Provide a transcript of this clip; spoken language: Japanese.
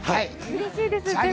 うれしいです。